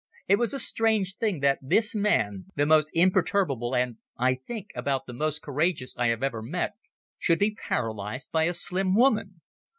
It was a strange thing that this man, the most imperturbable and, I think, about the most courageous I have ever met, should be paralysed by a slim woman.